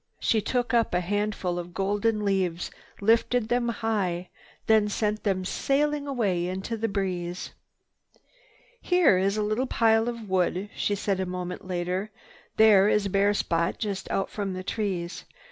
She took up a handful of golden leaves, lifted them high, then sent them sailing away into the breeze. "Here is a little pile of wood," she said a moment later. "There is a bare spot just out from the trees.